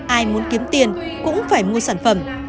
ai muốn kiếm tiền cũng phải mua sản phẩm